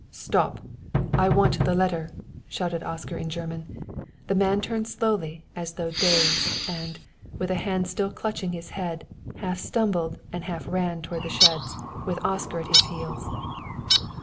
"Stop; I want the letter!" shouted Oscar in German. The man turned slowly, as though dazed, and, with a hand still clutching his head, half stumbled and half ran toward the sheds, with Oscar at his heels.